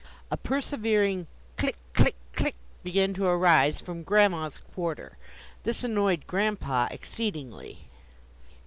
A persevering "click! click! click!" began to arise from Grandma's quarter. This annoyed Grandpa exceedingly.